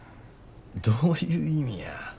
どういう意味や。